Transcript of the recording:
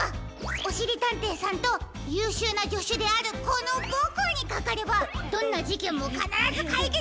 おしりたんていさんとゆうしゅうなじょしゅであるこのボクにかかればどんなじけんもかならずかいけつできるよ！